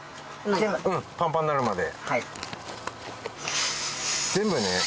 全部パンパンになるまで。